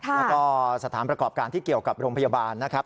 แล้วก็สถานประกอบการที่เกี่ยวกับโรงพยาบาลนะครับ